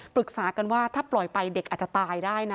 ปรึกษากันว่าถ้าปล่อยไปเด็กอาจจะตายได้นะ